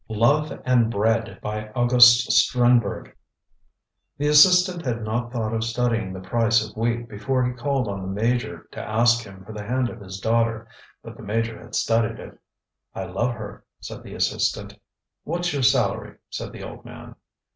LOVE AND BREAD The assistant had not thought of studying the price of wheat before he called on the major to ask him for the hand of his daughter; but the major had studied it. ŌĆ£I love her, ŌĆØ said the assistant. ŌĆ£WhatŌĆÖs your salary? ŌĆØ said the old man.